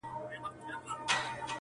د ګوربت، باز او شاهین خبري مه کړئ!!